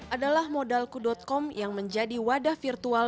adalah modalku com yang menjadi wadah virtual